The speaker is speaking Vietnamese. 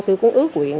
tôi cũng ước quyện